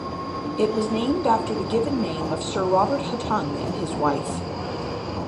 It was named after the given name of Sir Robert Hotung and his wife.